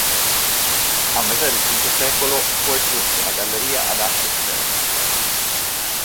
A metà del V secolo fu aggiunto una galleria ad archi esterna.